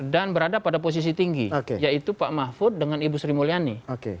dan berada pada posisi tinggi yaitu pak mahfud dengan ibu sri mulyani